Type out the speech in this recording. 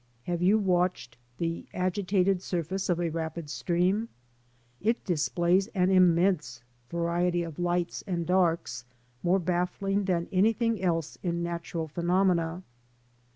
Have you watched the agitated surface of a rapid stream? It displays an immense variety of lights and darks, more baffling than anything else in natural phenomena.